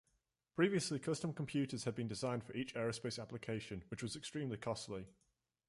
Previously custom computers had been designed for each aerospace application, which was extremely costly.